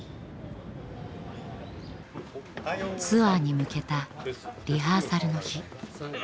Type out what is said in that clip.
ツアーに向けたリハーサルの日。